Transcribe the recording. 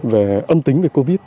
và âm tính về covid